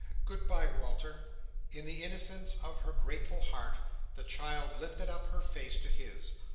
Good bye, Walter!" In the innocence of her grateful heart, the child lifted up her face to his.